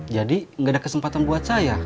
jadi gak ada kesempatan buat saya